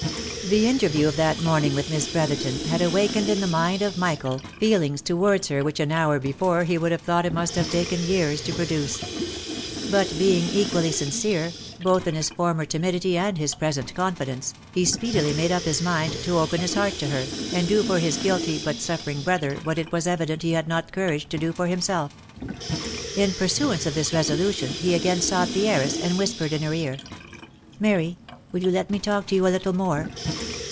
The interview of that morning with Miss Brotherton had awakened in the mind of Michael, feelings towards her which an hour before he would have thought it must have taken years to produce ; but being equally sincere, both in his former timidity and his present confidence, he speedily made up his mind to open his heart to her, and do for his guilty, but suffering brother, what it was evident he had not courage to do for himself. In pursuance of this resolution, he again sought the heiress, and whispered in her ear, ■' Mary !— will you let me talk to you a little more?"